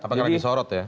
apakah lagi sorot ya